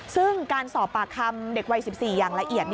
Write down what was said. ซึ่งการสอบปากคำเด็กวัย๑๔อย่างละเอียด